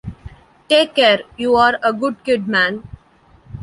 Take care, you're a good kid, man.